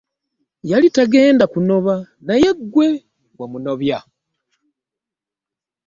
Yali tagenda kunoba naye ggwe wamunobya.